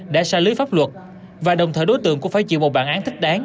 đã xa lưới pháp luật và đồng thời đối tượng cũng phải chịu một bản án thích đáng